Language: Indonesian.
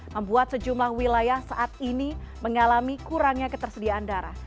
membuat sejumlah wilayah saat ini mengalami kurangnya ketersediaan darah